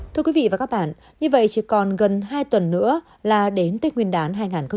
thưa quý vị và các bạn như vậy chỉ còn gần hai tuần nữa là đến tết nguyên đán hai nghìn hai mươi